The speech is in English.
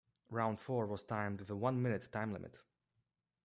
Round four was timed with a one-minute time limit.